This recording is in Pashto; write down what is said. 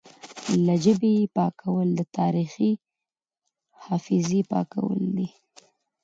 له ژبې یې پاکول د تاریخي حافظې پاکول دي